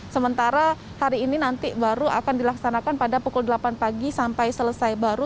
sementara hari ini nanti baru akan dilaksanakan pada pukul delapan pagi sampai selesai baru